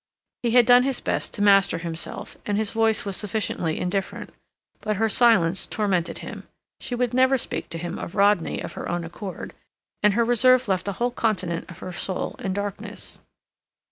He had done his best to master himself, and his voice was sufficiently indifferent, but her silence tormented him. She would never speak to him of Rodney of her own accord, and her reserve left a whole continent of her soul in darkness.